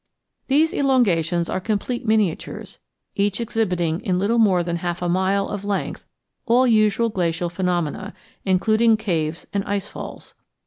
These elongations are complete miniatures, each exhibiting in little more than half a mile of length all usual glacial phenomena, including caves and ice falls.